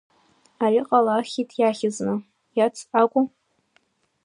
Ари ҟалахит иахьазны, иац акәу?